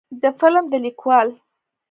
د فلم د لیکوال